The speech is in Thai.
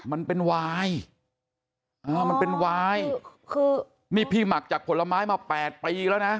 มันเป็นวายอ่ามันเป็นวายคือนี่พี่หมักจากผลไม้มาแปดปีแล้วนะ